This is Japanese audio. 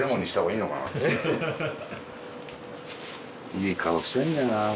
いい顔してんだよなぁ